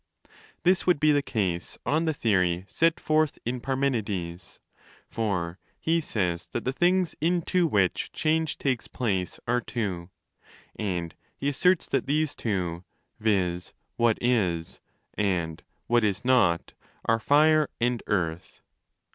This would be the case on the theory set forth in Parmenides :® for he says that the things into which change takes place are two, and he asserts that these two, viz. what zs and what ts not, are Fire and Earth.